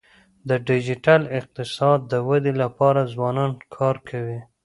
د ډیجیټل اقتصاد د ودی لپاره ځوانان کار کوي.